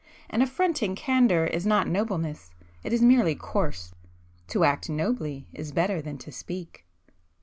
An affronting candour is not nobleness,—it is merely coarse. To act nobly is better than to speak."